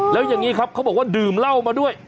แล้วอย่างนี้ครับเขาบอกว่าดื่มเหล้ามาด้วย